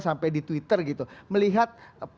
sampai di twitter gitu melihat